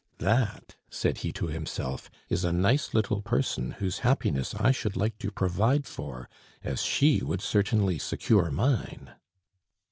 "That," said he to himself, "is a nice little person whose happiness I should like to provide for, as she would certainly secure mine."